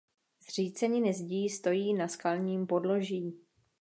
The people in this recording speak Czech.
Zříceniny zdí stojí na skalním podloží.